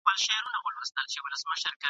مېندي خپلو ماشومانو ته خواړه ورکوي.